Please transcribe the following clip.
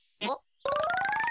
あっ！